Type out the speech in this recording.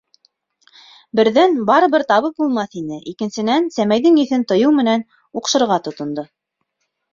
Берҙән, барыбер табып булмаҫ ине, икенсенән, сәмәйҙең еҫен тойоу менән уҡшырға тотондо.